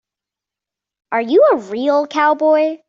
Are you a real cowboy?